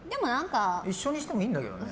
一緒にしてもいいんだけどね。